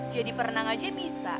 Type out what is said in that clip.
jadi perenang aja bisa